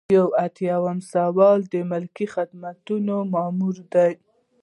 یو ایاتیام سوال د ملکي خدمتونو مامور دی.